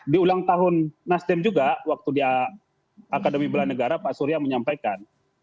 di ulang tahun nasdam juga waktu di akademi belanegara pak surya menyampaikan